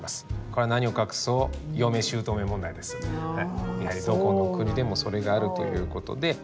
これは何を隠そうやはりどこの国でもそれがあるということで。